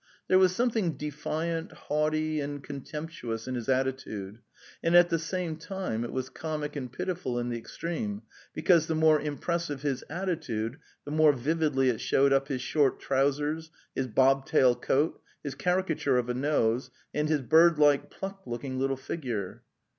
There was something defiant, haughty, and contemptuous in his attitude, and at the same time it was comic and pitiful in the extreme, because the more impressive his attitude the more vividly it showed up his short trousers, his bobtail coat, his caricature of a nose, and his bird like plucked looking little figure.